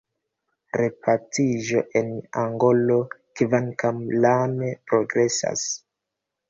Repaciĝo en Angolo, kvankam lame, progresas.